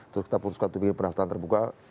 terus kita putuskan untuk bikin pendaftaran terbuka